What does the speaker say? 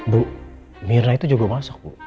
bu mirna itu juga masak bu